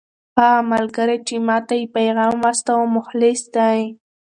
هغه ملګری چې ما ته یې پیغام واستاوه مخلص دی.